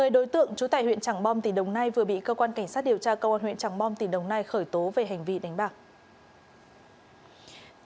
một mươi đối tượng trú tại huyện tràng bom tỉnh đồng nai vừa bị cơ quan cảnh sát điều tra công an huyện tràng bom tỉnh đồng nai khởi tố về hành vi đánh bạc